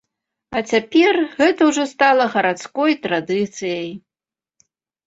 А цяпер гэта ўжо стала гарадской традыцыяй.